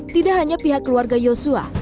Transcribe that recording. tidak hanya pihak keluarga yosua